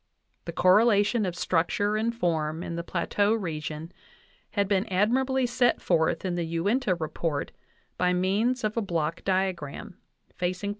\ The correla tion of structure and form in the Plateau region had been admirably set forth in the Uinta report by means of a block diagram (facing p.